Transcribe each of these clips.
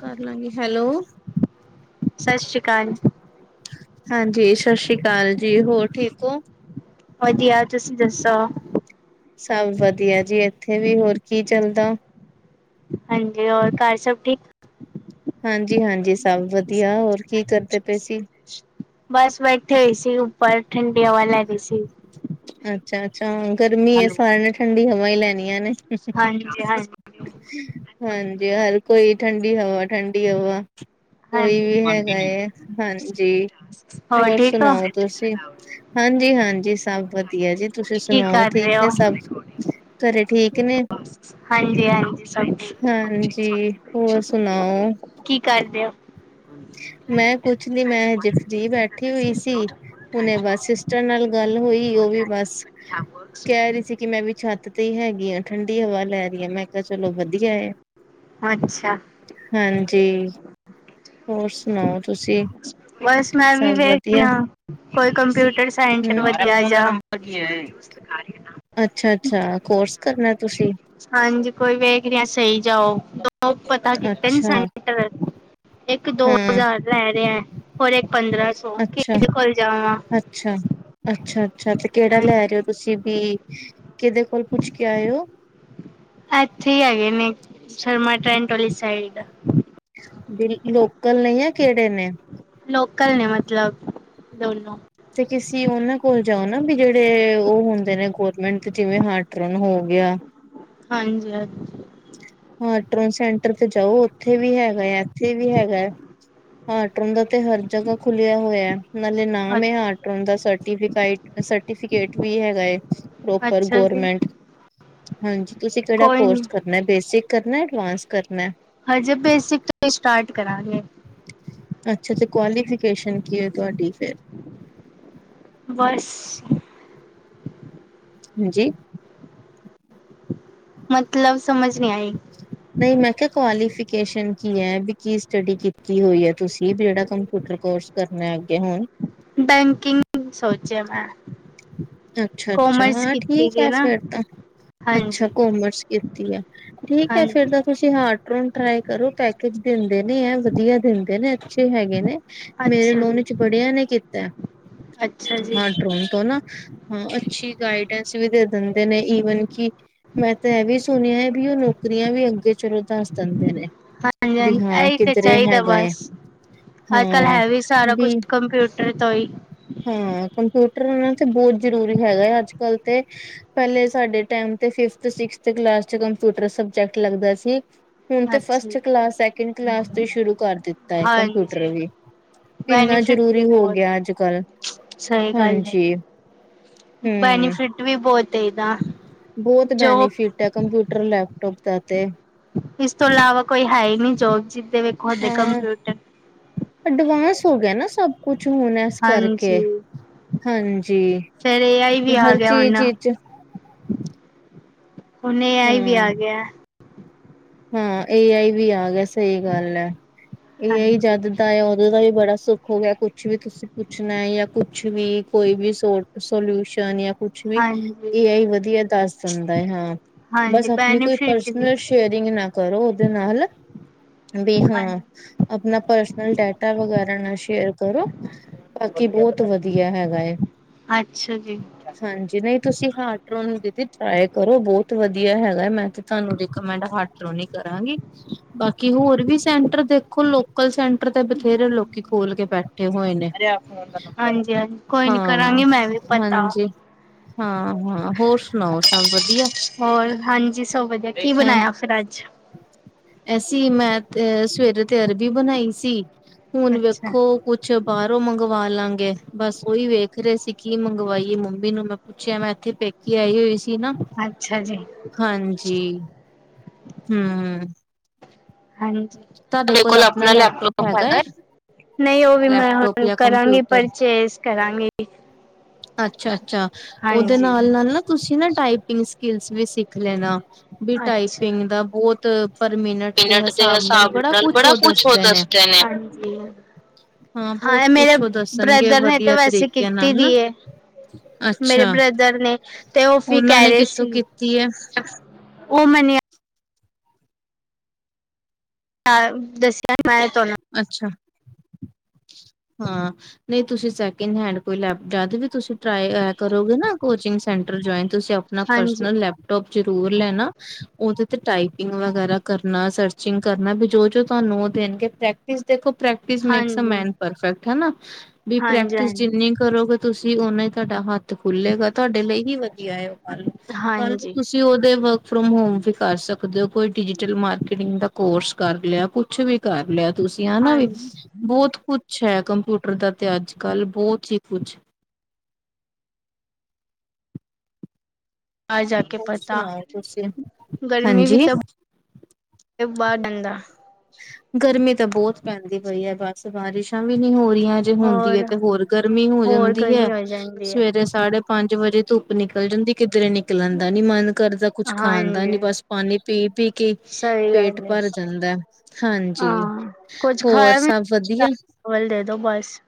ਕਰ ਲਾਂਗੇ। ਹੈਲੋ, ਸਤਿ ਸ਼੍ਰੀ ਅਕਾਲ। ਹਾਂਜੀ। ਸਤਿ ਸ਼੍ਰੀ ਅਕਾਲ ਜੀ ਹੋਰ ਠੀਕ ਹੋ? ਵਧੀਆ। ਤੁਸੀਂ ਦੱਸੋ? ਸਭ ਵਧੀਆ ਜੀ ਇੱਥੇ ਵੀ ਹੋਰ ਕੀ ਚੱਲਦਾ? ਹਾਂਜੀ ਹੋਰ ਘਰ ਸਭ ਠੀਕ? ਹਾਂਜੀ- ਹਾਂਜੀ। ਸਭ ਵਧੀਆ ਹੋਰ ਕੀ ਕਰਦੇ ਪਏ ਸੀ? ਬਸ ਬੈਠੇ ਹੋਈ ਸੀ ਉੱਪਰ ਠੰਡੀ ਹਵਾ ਲੈ ਰਹੀ ਸੀ। ਅੱਛਾ- ਅੱਛਾ। ਗਰਮੀ ਹੈ ਸਾਰਿਆਂ ਨੇ ਠੰਡੀ ਹਵਾ ਹੀ ਲੈਣੀ ਹੈ। ਹਾਂਜੀ -ਹਾਂਜੀ। ਹਾਂਜੀ। ਹਰ ਕੋਈ ਠੰਡੀ ਹਵਾ -ਠੰਡੀ ਹਵਾ। ਕੋਈ ਹਾਂਜੀ ਵੀ ਹੈਗਾ, ਕੰਟੀਨਿਊ ਹਾਂਜੀ। ਹੋਰ ਠੀਕ ਹੋ ਸੁਣਾਓ ਤੁਸੀਂ? ਹਾਂਜੀ- ਹਾਂਜੀ। ਸਭ ਵਧੀਆ ਜੀ ਤੁਸੀਂ ਕੀ ਸੁਣਾਓ ਕਰ ਠੀਕ ਰਹੇ ਹੋ ਨੇ ਸਭ? ਘਰੇ ਠੀਕ ਨੇ? ਹਾਂਜੀ -ਹਾਂਜੀ ਸਭ ਠੀਕ ਹਾਂਜੀ ਹੋਰ ਸੁਣਾਓ ਨੇ। ਕੀ ਕਰਦੇ ਹੋ। ਮੈਂ ਕੁਛ ਨੀ ਮੈਂ ਹਜੇ ਫਰੀ ਬੈਠੀ ਹੋਈ ਸੀ। ਹੁਣੇ ਬਸ ਸਿਸਟਰ ਨਾਲ ਗੱਲ ਹੋਈ ਉਹ ਵੀ ਬਸ, ਕਹਿ ਕ ਰਹੀ ਸੀ ਕਿ ਮੈਂ ਵੀ ਛੱਤ ਤੇ ਹੈਗੀ ਹਾਂ ਠੰਢੀ ਹਵਾ ਲੈ ਰਹੀ ਹਾਂ ਮੈਂ ਕਿਹਾ ਚਲੋ ਵਧੀਆ ਹੈ। ਅੱਛਾ। ਹਾਂਜੀ। ਹੋਰ ਸੁਣਾਓ ਤੁਸੀਂ? ਬਸ ਮੈਂ ਵੀ ਸਭ ਵੇਖਦੀ ਵਧੀਆ ਹਾਂ। ਕੋਈ ਕੰਪਿਊਟਰ ਸਾਇੰਸ ਹੂੰ। ਵ ਹ ਕੀ ਹੈਕਾਰ [unintelligible] ਅੱਛਾ- ਅੱਛਾ ਕੋਰਸ ਕਰਨਾ ਏ ਤੁਸੀਂ? ਹਾਂਜੀ ਕੋਈ ਵੇਖ ਰਿਹਾ ਸਹੀ ਜੇਹਾ ਹੋਓ। ਪਤਾ ਕੀਤੇ ਅੱਛਾ ਸੈਂਟਰ ਇੱਕ, ਦੋ ਹਾਂ ਹਜ਼ਾਰ ਦਾ ਹੈ। ਹੋਰ ਇੱਕ ਪੰਦਰਾਂ ਸੌ, ਅੱਛਾ ਕਿਦੇ ਕੋਲ ਜਾਵਾਂ? ਅੱਛਾ, ਅੱਛਾ- ਅੱਛਾ ਤੇ ਕਿਹੜਾ ਲੈ ਰਹੇ ਹੋ ਹਾਂਜੀ। ਤੁਸੀਂ ਵੀ। ਕਿਹਦੇ ਕੋਲ ਪੁੱਛ ਕੇ ਆਏ ਹੋ? ਇੱਥੇ ਹੀ ਹੈਗੇ ਨੇ ਸ਼ਰਮਾ ਟੈਂਟ ਵਾਲੀ ਸਾਈਡ ਬ ਲੋਕਲ ਨੀ ਹੈ, ਕਿਹੜੇ ਨੇ? ਲੋਕਲ ਨੇ ਮਤਲਬ। ਦੌਨੋ। ਤੇ ਕਿਸੀ ਉਹਨਾਂ ਕੋਲ ਜਾਓ ਨਾ ਵੀ ਜਿਹੜੇ ਉਹ ਹੁੰਦੇ ਨੇ ਗੋਰਮੈਂਟ ਦੇ ਜਿਵੇਂ ਹਾਰਟ ਰੋਨ ਹੋ ਗਿਆ। ਹਾਂਜੀ-ਹਾਂਜੀ। ਹਾਂ ਟੋਨ ਸੈਂਟਰ ਤੇ ਜਾਓ ਉੱਥੇ ਵੀ ਹੈਗਾ ਆ ਇੱਥੇ ਵੀ ਹੈਗਾ ਐ। ਹਟੋਨ ਦਾ ਤੇ ਹਰ ਜਗੂ ਖੁੱਲਿਆ ਹੋਇਆ ਐ, ਨਾਲੇ ਨਾਮ ਹੈ ਆਟੋਨ ਦਾ ਸਰਟੀਫ, ਸਰਟੀ- ਫਿਕੇਟ ਵੀ ਹੈਗਾ ਐ, ਪ੍ਰੋਪਰ ਅੱਛਾ ਜੀ ਗੋਰਮੈਂਟ। ਹਾਂਜੀ ਤੁਸੀਂ ਕਿਹੜਾ ਕੋਈ ਨੀ ਕੋਰਸ ਕਰਨਾ ਏ, ਬੇਸਿਕ ਕਰਨਾ ਐਡਵਾਂਸ ਕਰਨਾ ਐ? ਹ ਜੇ ਬੇਸਿਕ ਤੋਂ ਹੀ ਸਟਾਰਟ ਕਰਾਂਗੇ। ਅੱਛਾ ਤੇ ਕੁਆਲੀਫਿਕੇਸ਼ਨ ਕੀ ਹੈ ਤੁਹਾਡੀ ਫੇਰ? ਬਸ। ਹਾਂਜੀ? ਮਤਲਬ ਸਮਝ ਨਹੀਂ ਆਈ। ਹ [inaudible] ਨਹੀਂ ਮੈਂ ਕਿਹਾ ਕੁਆਲੀਫਿਕੇਸ਼ਨ ਕੀ ਹੈ ਵੀ ਕੀ ਸਟੱਡੀ ਕੀਤੀ ਹੋਈ ਹੈ ਤੁਸੀਂ ਜਿਹੜਾ ਕੰਪਿਊਟਰ ਕੋਰਸ ਕਰਨਾ ਹੈ ਅੱਗੇ ਹੁਣ? ਬੈਂਕਿੰਗ ਸੋਚਿਆ ਮੈਂ। ਅੱਛਾ- ਅੱਛਾ ਹਾਂ ਠੀਕ ਦੀ ਹੈ ਨਾ ਫੇਰ ਤਾਂ। ਅੱਛਾ ਹਾਂਜੀ ਕੋਮਰਸ ਕੀਤੀ ਹੈ, ਠੀਕ ਹੈ ਫੇਰ ਹਾਂਜੀ ਤਾਂ ਤੁਸੀਂ ਹਾਰਡਰੋਨ ਟਰਾਈ ਕਰੋ ਪੈਕੇਜ ਦਿੰਦੇ ਨੇ ਇਹ ਵਧੀਆ ਦਿੰਦੇ ਨੇ। ਅੱਛੇ ਹੈਗੇ ਨੇ, ਮੇਰੇ ਅੱਛਾ ਜੀ ਨੋਨ ਚ ਬੜਿਆਂ ਨੇ ਕੀਤਾ ਐ, ਅੱਛਾ ਜੀ ਹਾਰਡਰੋਨ। ਤੋ ਨਾ ਹਾਂ ਅੱਛੀ ਗਾਈਡੈਂਸ ਵੀ ਦੇ ਦਿੰਦੇ ਨੇ ਈਵਨ ਕਿ, ਮੈਂ ਤਾਂ ਇਹ ਵੀ ਸੁ- ਸੁਣਿਆ ਹੈ ਵੀ ਉਹ ਨੌਕਰੀਆਂ ਵੀ ਅੱਗੇ ਚਲੋ ਦੱਸ ਦਿੰਦੇ ਨੇ। ਹਾਂਜੀ- ਵੀ ਹਾਂਜੀ ਹਾਂ ਇਹੀ ਤੇ ਕਿੱਧਰੇ ਚਾਹੀਦਾ ਹੈਗਾ ਹੈ ਬਸ ਅੱਜ ਕੱਲ ਹਾਂ ਹੈ ਵੀ ਸਾਰਾ ਕੁਛ ਕੰਪਿਊ- ਟਰ ਤੋਂ ਹੀ। ਹੂੰ ਕੰਪਿਊਟਰ ਇਹਨਾਂ ਤੇ ਬਹੁਤ ਜ਼ਰੂਰੀ ਹੈਗਾ ਹੈ ਅੱਜ ਕੱਲ ਤੇ। ਪਹਿਲੇ ਸਾਡੇ ਟੈਮ ਤੇ ਫਿਫਥ- ਸਿਕਸਥ ਕਲਾਸ ਚ ਕੰਪਿਊਟਰ ਸਬਜੈਕਟ ਲੱਗਦਾ ਸੀ। ਹੁਣ ਤੇ ਅੱਛਾ ਫਸਟ ਕਲਾਸ, ਸੈਕਿੰਡ ਕਲਾਸ ਤੇ ਸ਼ੁਰੂ ਕਰ ਦਿੱਤਾ ਹੈ ਕੰਪਿਊਟਰ ਹਾਂਜੀ ਵੀ। ਇੰਨਾ ਬੈਨੀਫਿਟ ਜ਼ਰੂਰੀ ਵੀ ਹੋ ਗਿਆ ਬਹੁਤ ਅੱਜ ਕੱਲ। ਸਹੀ ਗੱਲ ਹੈ। ਹਾਂਜੀ ਹੂੰ। ਬੈਨੀਫਿਟ ਵੀ ਬਹੁਤ ਹੈ ਇਹਦਾ, ਜੋ- ਇਹ ਕੰਪਿਊਟਰ, ਲੈਪਟੋਪ ਦਾ ਤੇ। ਇਸ ਤੋਂ ਇਲਾਵਾ ਕੋਈ ਹੈ ਈ ਨੀ ਜੋਬ, ਜਿਦੇ ਵੇਖੋ ਔਦੇ ਹਾਂ ਕੰਪਿਊਟਰ। ਅਡਵਾਂਸ ਹੋ ਗਿਆ ਨਾ ਸਭ ਕੁਛ ਹੁਣ। ਇਸ ਕਰਕੇ, ਹਾਂਜੀ ਹਾਂਜੀ ਫੇਰ ਏ ਆਈ ਤੇ ਵੀ ਆ ਹਰ ਗਿਆ ਹੁਣ ਚੀਜ਼ ਇਚ- ਹੁਣ ਏ ਆਈ ਵੀ ਹਾਂ ਆ ਗਿਆ। ਹਾਂ ਏ ਆਈ ਵੀ ਆ ਗਿਆ ਸਹੀ ਗੱਲ ਐ ਏ ਆਈ ਹਾਂਜੀ, ਜਦ ਦਾ ਆ ਉਹ ਦਾ ਵੀ ਬੜਾ ਸੁੱਖ ਹੋ ਗਿਆ ਕੁਛ ਵੀ ਤੁਸੀਂ ਪੁੱਛਣਾ ਏ ਯਾ ਕੁਛ ਵੀ ਕੋਈ ਵੀ ਸੋ ਸੋਲਊਸ਼ਨ ਯਾ ਕੁ ਛ ਵੀ ਹਾਂਜੀ, ਏ ਆਈ ਵਧੀਆ ਦੱਸ ਦਿੰਦਾ ਏ ਹਾਂ ਹਾਂਜੀ ਬਸ ਆਪਣੀ ਕੋਈ ਬੈਨੀਫਿਟ ਵੀ ਪਰਸਨਲ ਸ਼ੇਅ ਰਿੰਗ ਨਾ ਕਰੋ ਉਹਦੇ ਨਾਲ ਵੀ ਹਾਂ ਹਾਂਜੀ, ਆਪਣਾ ਪਰਸਨਲ ਡੇਟਾ ਵਗੈਰਾ ਨਾ ਸ਼ੇਅਰ ਕਰੋ। ਬਾਕੀ ਬਹੁਤ ਵਧੀਆ ਹੈਗਾ ਏ। ਅੱਛਾ ਜੀ। ਹਾਂਜੀ ਨਹੀਂ ਤੁਸੀਂ ਹਾਰਟ ਰੋਨ ਦੀਦੀ ਟਰਾਈ ਕਰੋ ਬਹੁਤ ਵਧੀਆ ਹੈਗਾ ਮੈਂ ਤੇ ਤੁਹਾਨੂੰ ਰਿਕਮੈਂਡ ਹਾਰਟ ਟ੍ਰੋਨੀ ਕਰਾਂਗੀ ਬਾਕੀ ਹੋਰ ਵੀ ਸੈਂਟਰ ਦੇਖੋ ਲੋਕਲ ਸੈਂਟਰ ਤੇ ਬਥੇਰੇ ਲੋਕੀ ਖੋਲ ਕੇ ਬੈਠੇ ਹੋਏ ਨੇ ਹਾਂਜੀ, ਹਾਂਜੀ ਕੋਈ ਨੀ ਹਾਂ ਕਰਾਂਗੀ ਮੈਂ ਵੀ ਪਤਾ ਹਾਂਜੀ ਹਾਂ ਹਾਂ ਹੋਰ ਸੁਣਾਓ ਸਭ ਵਧੀਆ ਹੋਰ ਹਾਂਜੀ ਸਭ ਵਧੀਆ ਕੀ ਬਣਾਇਆ ਫਿਰ ਅੱਜ ਐਸੀ ਮੈਂ ਤੇ ਸਵੇਰੇ ਤੇ ਅਰਬੀ ਬਣਾਈ ਸੀ ਹੁਣ ਅੱਛਾ, ਵੇਖੋ ਕੁਛ ਬਾਹਰੋਂ ਮੰਗਵਾ ਲਾਂਗੇ ਬਸ ਓਹੀ ਵੇਖ ਰਹੇ ਸੀ ਕੀ ਮੰਗਵਾਈਏ ਮੰਮੀ ਨੂੰ ਮੈਂ ਪੁੱਛਿਐ ਮੈਂ ਇੱਥੇ ਪੇਕੀ ਆਈ ਹੋਈ ਸੀ ਨਾ ਅੱਛਾ ਜੀ ਹਾਂਜੀ ਹਮ ਹਮ ਹਾਂਜੀ ਤੁਹਾਡੇ ਕੋਲ ਆਪਣਾ ਲੈਪਟੋਪ ਹੈਗਾ ਨਹੀਂ ਉਹ ਵੀ ਮੈਂ ਲੈਪਟੋਪ ਹੁਣ ਜਾਂ ਕਰਾਂਗੀ ਕੰਪਿਊਟਰ ਪਰਚੇਸ ਕਰਾਂਗੀ ਅੱਛਾ ਅੱਛਾ ਉਹਦੇ ਹਾਂਜੀ। ਨਾਲ ਨਾਲ ਨਾ ਤੁਸੀਂ ਨਾ ਟਾਈਪਿੰਗ ਸਕਿਲਸ ਵੀ ਸਿੱਖ ਲੈਣਾ ਵੀ ਅੱਛਾ। ਟਾਈਪਿੰਗ ਦਾ ਬਹੁਤ ਪਰ ਮਿੰਟ ਤੇ ਹ ਹਿਸਾਬ ਨਾਲ ਬੜਾ ਕੁਛ ਉਹ ਦੱਸਦੇ ਨੇ ਹਾਂ ਏ ਬਹੁਤ ਮੇਰੇ ਕੁਛ ਉਹ ਦੱਸਣਗੇ ਬ੍ਰਦਰ ਨੇ ਤੇ ਵਧੀਆ ਵੈਸੇ ਤਰੀਕੇ ਕੀਤੀ ਨਾਲ ਦੀ ਨਾ ਏ। ਮੇਰੇ ਅੱਛਾ ਬ੍ਰਦਰ ਨੇ ਤੇ ਉਹ ਵੀ ਉਹਨਾਂ ਕਹਿ ਨੇ ਰਹੇ ਕਿੱਥੋਂ ਸੀ। ਕੀਤੀ ਹੈ ਉਹ ਮੰਨਿਆ ਦੱਸਿਆ ਮੈਂ ਤੁਹਾਨੂੰ ਅੱਛਾ ਹਾਂ ਨਹੀਂ ਤੁਸੀਂ ਸੈਕਿੰਡ ਹੈਂਡ ਕੋਈ ਲੈਪ ਜਦ ਵੀ ਤੁਸੀਂ ਟਰਾਈ ਕਰੋਗੇ ਨਾ ਕੋਚਿੰਗ ਸੈਂਟਰ ਜੁਆਇਨ ਤੁਸੀਂ ਆਪਣਾ ਹਾਂਜੀ ਪਰਸਨਲ ਲੈਪਟੋਪ ਜ਼ਰੂਰ ਲੈਣਾ ਉਹਦੇ ਤੇ ਟਾਈਪਿੰਗ ਵਗੈਰਾ ਕਰਨਾ ਸਰਚਿੰਗ ਕਰਨਾ ਵੀ ਜੋ ਜੋ ਤੁਹਾਨੂੰ ਉਹ ਦੇਣਗੇ ੈਕ ਦੇਖੋ ਪ੍ਰੈਕਟਿਸ ਮੇਕਸ ਅ ਹਾਂਜੀ ਮੈਨ ਪਰਫੈਕਟ ਹਨਾ ਬੀ ਪ੍ਰੈਕਟਿਸ ਹਾਂਜੀ ਜਿੰਨੀ ਕਰੋਗੇ ਤੁਸੀਂ ਉਹਨਾ ਹੀ ਤੁਹਾਡਾ ਹੱਥ ਖੁੱਲੇਗਾ ਤੁਹਾਡੇ ਲਈ ਹੀ ਵਧੀਆ ਏ ਕੱਲ ਕੱਲ ਨੂੰ ਤੁਸੀਂ ਹਾਂਜੀ ਹਾਂਜੀ ਤੁਸੀਂ ਉਹਦੇ ਵਰਕ ਫਰੋਮ ਹੋਮ ਵੀ ਕਰ ਸਕਦੇ ਹੋ ਕੋਈ ਡਿਜੀਟਲ ਮਾਰਕੀਟਿੰਗ ਦਾ ਕੋਰਸ ਕਰ ਲਿਆ ਕੁਛ ਕੁਛ ਵੀ ਕਰ ਲਿਆ ਤੁਸੀਂ ਹਨਾ ਵੀ ਹਾਂਜੀ ਬਹੁਤ ਕੁਛ ਹੈ ਕੰਪਿਊਟਰ ਦਾ ਤੇ ਅੱਜ ਕੱਲ ਬਹੁਤ ਹੀ ਕੁਛ ਆ ਜਾ ਕੇ ਹੋਰ ਪਤਾ ਸੁਣਾਓ ਤੁਸੀਂ ਗਰਮੀ ਵੀ ਹਾਂਜੀ ਤਾਂ ਬ ਡੰਦਾ [unintelligible] ਗਰਮੀ ਤਾਂ ਬਹੁਤ ਪੈਂਦੀ ਪਈ ਹੈ ਬਸ ਬਾਰਿਸ਼ਾਂ ਵੀ ਨਹੀਂ ਹੋ ਰਹੀਆਂ। ਹੁੰਦੀ ਏ ਹੋਰ ਤੇ ਹੋਰ ਗਰਮੀ ਹੋ ਹੋਰ ਜਾਂਦੀ ਹੈ ਗਰਮੀ ਹੋ ਜਾਂਦੀ ਹੈ ਸਵੇਰੇ ਸਾਢੇ ਪੰਜ ਵਜੇ ਧੁੱਪ ਨਿਕਲ ਜਾਂਦੀ ਕਿਧਰੇ ਨਿਕਲਣ ਦਾ ਨੀ ਮਨ ਕਰਦਾ ਕੁਛ ਖਾਣ ਦਾ ਨੀ ਹਾਂਜੀ ਬਸ ਪਾਣੀ ਪੀ ਪੀ ਕੇ ਸਹੀ ਪੇਟ ਗੱਲ ਹੈ ਭਰ ਜਾਂਦੈ। ਹਾਂਜੀ ਹਾਂ ਕੁੱਝ ਹੋਰ ਖਾਇਆ ਵੀ ਸਭ ਵਧੀਆ ਚਾਵਲ ਦੇ ਦੋ ਬਸ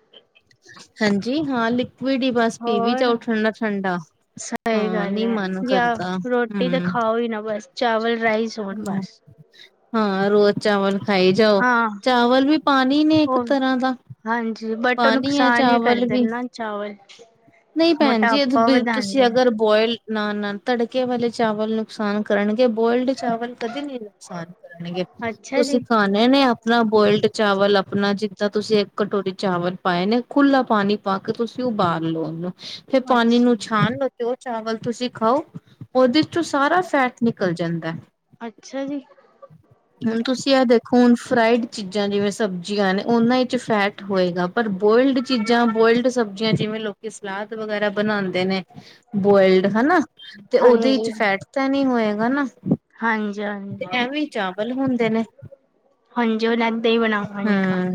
ਹਾਂਜੀ ਹਾਂ ਲਿਕੁਵਿਡ ਹੀ ਬਸ ਪੀ ਵੀ ਹੋਰ ਜਾਓ ਠੰਡਾ ਠੰਡਾ ਸਹੀ ਹਾਂ ਗੱਲ ਨੀ ਹੈ, ਮਨ ਯ ਕਰਦਾ ਰੋਟੀ ਤਾਂ ਖਾਓ ਹੀ ਨਾ ਬਸ ਚਾਵਲ ਰਾਈਸ ਹੋਣ ਹੂ, ਬਸ ਹਾਂ ਰੋਜ਼ ਚਾਵਲ ਖਾਈ ਜਾਓ, ਹਾਂ ਚਾਵਲ ਵੀ ਪਾਣੀ ਨੇ ਇੱਕ ਉਹ ਤਰ੍ਹਾਂ ਦਾ ਹਾਂਜੀ ਬਟ ਉਹ ਪਾਣੀ ਹੈ ਨੁਕਸਾਨ ਹੀ ਚਾਵਲ ਕਰਦੇ ਵੀ ਨਾ ਚਾਵਲ ਨਹੀਂ ਭੈਣ ਜੀ ਮੋਟਾਪਾ ਇਹ ਵਧਾਉਂਦੇ ਤੁਸੀਂ ਨੇ ਅਗਰ ਬੋਇਲਡ ਨਾ ਨਾ, ਤੜਕੇ ਵਾਲੇ ਚਾਵਲ ਨੁਕਸਾਨ ਕਰਨਗੇ ਬੋਇਲਡ ਚਾਵਲ ਕਦੇ ਨੀ ਲ ਨੁਕਸਾਨ ਕਰਣਗੇ ਅੱਛਾ ਜੀ ਤੁਸੀਂ ਖਾਣੇ ਨੇ ਆਪਣਾ ਬੋਇਲਡ ਚਾਵਲ ਆਪਣਾ ਜਿੱਦਾਂ ਤੁਸੀਂ ਇੱਕ ਕਟੋਰੀ ਚਾਵਲ ਪਾਏ ਨੇ, ਖੁਲਾ ਪਾਣੀ ਪਾ ਕੇ ਤੁਸੀਂ ਉਬਾਲ ਲਓ ਉਹਨੂੰ ਫਿਰ ਪਾਣੀ ਅੱਛਾ ਨੂੰ ਛਾਣ ਲੋ ਤੇ ਔ ਚਾਵਲ ਤੁਸੀਂ ਖਾਓ, ਉਹਦੇ ਚੋਂ ਸਾਰਾ ਫੈਟ ਨਿਕਲ ਜਾਂਦਾ ਅੱਛਾ ਜੀ ਹੁਣ ਤੁਸੀਂ ਇਹ ਦੇਖੋ ਹੁਣ ਫਰਾਈਡ ਚੀਜ਼ਾਂ, ਜਿਵੇਂ ਸਬਜ਼ੀਆਂ ਨੇ ਉਹਨਾਂ ਵਿੱਚ ਫੈਟ ਹੋਏਗਾ, ਪਰ ਬੋਇਲਡ ਚੀਜ਼ਾਂ ਬੋਇਲਡ ਸਬਜ਼ੀਆਂ ਜਿਵੇਂ ਲੋਕੀ ਸਲਾਦ ਵਗੈਰਾ ਬਣਾਉਂਦੇ ਨੇ ਬੋਇਲਡ ਹੈਨਾ, ਤੇ ਉਹਦੇ ਵਿੱਚ ਹਾਂਜੀ ਫੈਟ ਤਾਂ ਨਹੀਂ ਹੋਏਗਾ ਨਾ ਹਾਂਜੀ ਹਾਂਜੀ ਤੇ ਐਵੇਂ ਚਾਵਲ ਹੁੰਦੇ ਨੇ ਹਾਂਜੀ ਉਹ ਲਦਾਂ ਹੀ ਬਣਾਵਾਂਗੇ ਘ ਹਮ [inaudible]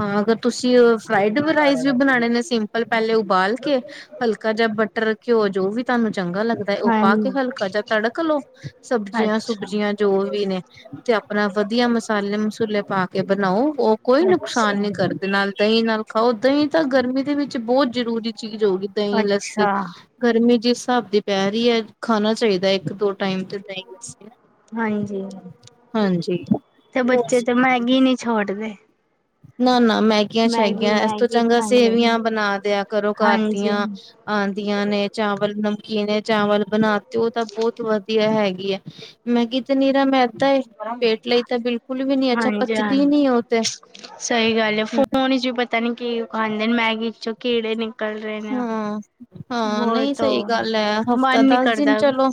ਹਾਂ ਫਿਰ ਤੁਸੀਂ ਫਰਾਈਡ ਰਾਈਸ ਵੀ ਬਣਾਉਣੇ ਨੇ ਸਿੰਪਲ ਪਹਿਲੇ ਉਬਾਲ ਕੇ, ਹਲਕਾ ਜੇਆ ਬਟ ਮਟਰ ਘਿਓ ਜੋ ਵੀ ਤੁਹਾਨੂੰ ਚੰਗਾ ਲੱਗਦਾ ਹੈ, ਉਹ ਪਾ ਕੇ ਹਾਂਜੀ ਹਲਕਾ ਜੇਆ ਤੜਕ ਲਓ ਸਬਜ਼ੀਆਂ ਅੱਛਾ ਸਬਜੀਆਂ ਜੋ ਵੀ ਨੇ ਤੇ ਆਪਣਾ ਵਧੀਆ ਮਸਾਲੇ ਮਸੂਲੇ ਪਾ ਕੇ ਬਣਾਓ, ਉਹ ਕੋਈ ਨੁਕਸਾਨ ਅੱਛਾ ਨਹੀਂ ਕਰਦੇ ਨਾਲ ਦਹੀਂ ਨਾਲ ਖਾਓ, ਦਹੀਂ ਤਾਂ ਗਰਮੀ ਦੇ ਵਿੱਚ ਬਹੁਤ ਜ਼ਰੂਰੀ ਚੀਜ਼ ਹੋਗੀ ਦਹੀਂ ਲੱਸੀ ਅੱਛਾ ਗਰਮੀ ਜਿਸ ਹਿਸਾਬ ਦੀ ਪੈ ਰਹੀ ਹੈ ਖਾਣਾ ਚਾਹੀਦਾ ਇੱਕ ਦੋ ਟਾਈਮ ਤੇ ਦਹੀਂ ਲੱਸੀ ਹਾਂਜੀ, ਹਾਂਜੀ ਤੇ ਹੋਰ ਬੱਚੇ ਤੇ ਮੈਗੀ ਨੀ ਛੋੜਦੇ ਨਾ ਨਾ ਮੈਗੀਆਂ ਮੈਗੀ ਸ਼ੈਗੀਆਂ, ਇਸ ਤੋਂ ਮੈਗੀ ਚੰਗਾ ਖਾਂਦੇ ਸੇਵੀਆਂ ਨੇ। ਬਣਾ ਦਿਆ ਕਰੋ ਘਰ ਹਾਂਜੀ ਦੀਆਂ ਆਂਦੀਆਂ ਨੇ, ਚਾਵਲ ਨਮਕੀਨ ਚਾਵਲ ਬਣਾ ਤੇ ਉਹ ਤਾਂ ਬਹੁਤ ਵਧੀਆ ਹੈਗੀ ਆ ਮੈਗੀ ਤੇ ਨੀਰਾ ਮੈਂਦਾ ਏ, ਪੇਟ ਲਈ ਤਾਂ ਬਿਲਕੁਲ ਵੀ ਨੀ ਅੱਛਾ ਹਾਂਜੀ ਪਚਦੀ ਹਾਂਜੀ ਨੀ ਉਹ ਤੇ ਸਹੀ ਗੱਲ ਹੈ, ਫੂਡ ਚ ਵੀ ਪਤਾ ਨੀ ਕੀ ਪਾਂਦੇ ਨੇ, ਮੈਗੀ ਚੋਂ ਕਿਹੜੇ ਨਿਕਲ ਰਹੇ ਨੇ ਹਾਂ, ਹਾਂ ਵੋ ਨਹੀਂ ਤੋ ਸਹੀ ਗੱਲ ਹੈ ਮਨ ਹਫ਼ਤਾ ਨੀ ਦਸ ਕਰਦਾ ਦਿਨ ਚਲੋ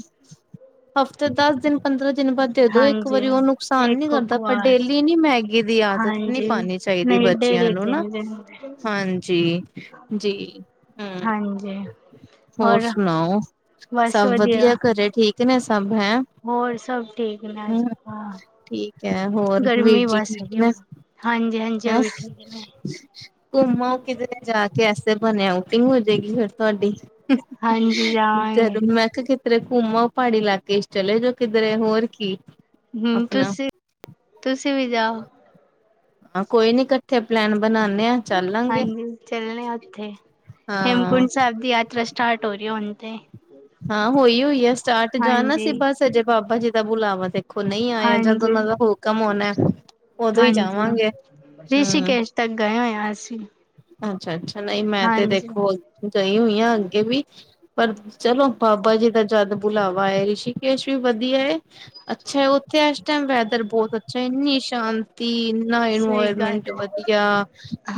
ਹਫ਼ਤੇ ਦਸ ਦਿਨ ਪੰਦਰਾਂ ਦਿਨ ਬਾਅਦ ਦੇ ਦੋ ਇੱਕ ਹਾਂਜੀ ਵਾਰੀ, ਉਹ ਨੁਕਸਾਨ ਨੀ ਇੱਕ ਇੱਕ ਕਰਦਾ ਪਰ ਵਾਰ ਡੇਲੀ ਨੀ ਮੈਗੀ ਦੀ ਆਦਤ ਨੀ ਹਾਂਜੀ ਪਾਣੀ ਚਾਹੀਦੀ ਨਹੀਂ ਬੱਚਿਆਂ ਡੇਲੀ ਨੂੰ ਨਾ, ਤਿੰਨ ਦਿਨ ਹਾਂਜੀ ਜੀ ਹੂ, ਹਾਂਜੀ ਹੋਰ ਸੁਣਾਓ ਸਭ ਵਧੀਆ ਘ ਘਰੇ ਠੀਕ ਨੇ ਸਭ, ਹੈਂ ਹੋਰ ਸਭ ਠੀਕ ਨੇ ਅੱਛਾ ਠੀਕ ਹੈ, ਹੋਰ ਵੀਰ ਜੀ ਠੀਕ ਨੇ ਹਾਂਜੀ ਹਾਂਜੀ ਉਹ ਹੈਂ ਵੀ ਠੀਕ ਨੇ ਘੁੰਮ ਆਔ ਕਿਧਰੇ ਜਾ ਕੇ ਐਸੇ ਬਹਾਨੇ ਆਉਟਿੰਗ ਹੋ ਜਾਏਗੀ ਫਿਰ ਤੁਹਾਡੀ ਹਾਂਜੀ ਜਾਵਾਂਗੇ ਮੈਂ ਕਿਹਾ ਕਿ ਕਿਧਰੇ ਘੁੰਮ ਆਔ ਪਹਾੜੀ ਇਲਾਕੇ ਚ ਚਲੇ ਜੋ ਕਿਧਰੇ ਹੋਰ ਕੀ ਹੂ ਆਪਣਾ ਤੁਸੀਂ, ਤੁਸੀਂ ਵੀ ਜਾਓ ਹਾਂ ਕੋਈ ਨੀ ਇਕੱਠੇ ਪਲੈਨ ਬਣਾਉਂਦੇ ਆ ਚੱਲਾਂਗੇ ਹਾਂਜੀ ਚੱਲਣੇ ਆ ਉੱਥੇ, ਹਾਂ ਹੇਮਕੁੰਟ ਸਾਹਿਬ ਦੀ ਯਾਤਰਾ ਸਟਾਰਟ ਹੋ ਰਹੀ ਐ ਹੁਣ ਤੇ ਹਾਂ ਹੋਈ ਹੋਈ ਆ ਸਟਾਰਟ, ਜਾਣਾ ਹਾਂਜੀ ਸੀ ਬਸ ਅਜੇ ਬਾਬਾ ਜੀ ਦਾ ਬੁਲਾਵਾ ਤੇ ਖੋ ਨਹੀਂ ਆਇਆ, ਜਦ ਹਾਂਜੀ ਉਹਨਾਂ ਦਾ ਹੁਕਮ ਹੋਣਾ ਐ ਉਦੋਂ ਹੀ ਜਾਵਾਂਗੇ ਹੂ ਤਾਂ ਗਏ ਹੋਏ ਆ ਅਸੀਂ। ਅੱਛਾ ਅੱਛਾ, ਨਹੀਂ ਮੈਂ ਤੇ ਹਾਂਜੀ ਦੇਖੋ ਗਈ ਹੋਈ ਆ ਅੱਗੇ ਵੀ। ਪਰ ਚਲੋ ਬਾਬਾ ਜੀ ਦਾ ਜਦ ਬੁਲਾਵਾ ਆਏ ਰਿਸ਼ੀਕੇਸ਼ ਵੀ ਵਧੀਆ ਐ। ਅੱਛਾ ਉੱਥੇ ਇਸ ਟਾਈਮ ਵੈਦਰ ਬਹੁਤ ਅੱਛਾ ਇੰਨੀ ਸ਼ਾਂਤੀ। ਸਹੀ ਗੱਲ ਇਨਵਾਇਰਮੈਂਟ ਹੈ ਵਧੀਆ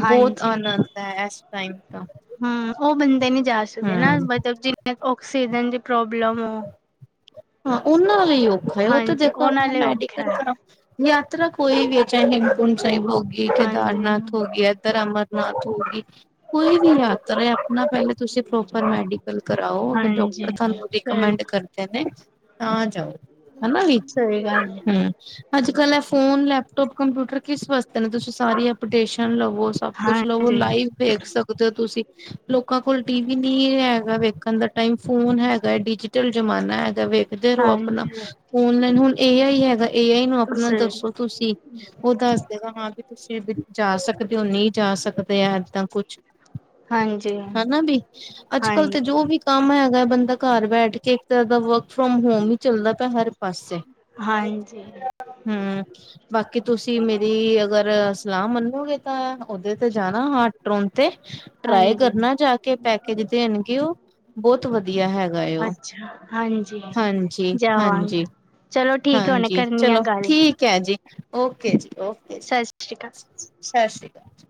ਬਹੁਤ ਆਨੰਦ ਐ ਏਸ ਟਾਈਮ ਤਾਂ। ਹੂੰ, ਉਹ ਬੰਦਾ ਨੀ ਜਾ ਸਕਦੇ ਨਾ ਹਮ ਮਤਲਬ ਜਿਵੇਂ ਔਕਸੀਜਨ ਦੀ ਪ੍ਰੋਬਲਮ ਹੋ। ਹਾਂ, ਉਹਨਾਂ ਲਈ ਔਖਾ ਐ ਉਹ ਤਾਂ ਹਾਂਜੀ ਦੇਖੋ ਉਹਨਾਂ ਆਪਣਾ ਲਈ ਔਖਾ ਹੈ ਮੈਡੀਕਲ ਯਾਤਰਾ ਕੋਈ ਵੀ ਐ ਚਾਹੇ ਹਿੰਮਕੁੰਟ ਸਾਹਿਬ ਹੋਗੀ ਹਾਂਜੀ ਕੇਦਾਰਨਾਥ ਹੋਗੀ ਇੱਧਰ ਅਮਰ ਨਾਥ ਹੋਗੀ। ਕੋਈ ਵੀ ਯਾਤਰਾ ਆਪਣਾ ਪਹਿਲੇ ਤੁਸੀਂ ਪ੍ਰੋਪਰ ਮੈਡੀਕਲ ਕਰਾਓ ਅਗਰ ਹਾਂਜੀ ਡਾਕਟਰ ਤੁਹਾਨੂੰ ਰਿਕਮੈਂਡ ਕ ਸਹੀ ਰਦੇ ਨੇ ਤਾਂ ਜਾਓ ਹਨਾ ਵੀ ਸਹੀ ਗੱਲ ਹੈ ਹੂੰ। ਅੱਜ ਕੱਲ ਐ ਫੋਨ, ਲੈਪਟੋਪ, ਕੰਪਿਊਟਰ ਕਿਸ ਵਾਸਤੇ ਨੇ ਤੁਸੀਂ ਸਾਰੀ ਐਪਡੇਸ਼ਨ ਲਵੋ। ਸਭ ਕੁਛ ਲਵੋ ਹਾਂਜੀ ਲਾਈਵ ਵੇਖ ਸਕਦੇ ਓ ਤੁਸੀਂ। ਲੋਕਾਂ ਕੋਲ ਟੀ ਵੀ ਨਹੀਂ ਹੈਗਾ ਵੇਖਣ ਦਾ ਟਾਈਮ ਫੋਨ ਹੈਗਾ ਡਿਜੀਟਲ ਜਮਾਨਾ ਹੈਗਾ ਵੇ ਖਦੇ ਰਹੋ ਆਪਣਾ ਹਾਂਜੀ ਔਨਲਾਈਨ ਹੁਣ ਏ ਆਈ ਹੈਗਾ ਏ ਆਈ ਨੂੰ ਆਪਣਾ ਸਹੀ ਦੱਸੋ ਤੁਸੀਂ। ਉਹ ਦੱਸ ਦੇਗਾ ਹਾਂ ਵੀ ਤੁਸੀਂ ਵੀ ਜਾ ਸਕਦੇ ਓ ਨਹੀਂ ਜਾ ਸਕਦੇ ਆ ਏਦਾਂ ਕੁਛ। ਹਾਂਜੀ ਹਨਾ ਵੀ ਅੱਜ ਕਲ ਤੇ ਹਾਂਜੀ ਜੋ ਵੀ ਕੰਮ ਹੈਗਾ, ਬੰਦਾ ਘਰ ਬੈਠ ਕੇ ਇੱਕ ਤਰ੍ਹਾਂ ਦਾ ਵਰਕ ਫਰੋਮ ਹੋਮ ਈ ਚੱਲਦਾ ਪਿਆ ਹਰ ਪਾਸੇ, ਹਾਂਜੀ! ਹੂੰ! ਬਾਕੀ ਤੁਸੀਂ ਮੇਰੀ ਅਗਰ ਸਲਾਹ ਮੰਨੋਗੇ ਤਾਂ ਉਹਦੇ ਤੇ ਜਾਣਾ ਹਾਂ ਟੋਨ ਤੇ, ਟਰਾਈ ਹਾਂਜੀ ਕਰਨਾ ਜਾ ਕੇ ਪੈਕੇਜ ਦੇਣਗੇ ਓ ਬਹੁਤ ਵਧੀਆ ਹੈਗਾ ਏ ਓ। ਅੱਛਾ ਹਾਂਜੀ! ਹਾਂਜੀ, ਹਾਂਜੀ, ਜਾਵਾਂਗਾ ਚਲੋ ਠੀਕ ਹੈ ਹੁਣੇ ਹਾਂਜੀ ਕਰਨੀ ਆ ਚਲੋ ਗੱਲ ਠੀਕ ਐ ਜੀ ਓਕੇ ਜੀ, ਓਕੇ ਜੀ ਸਤਿ ਸ਼੍ਰੀ ਅਕਾਲ ਸਤਿ ਸ੍ਰੀ ਅਕਾਲ ਜੀ।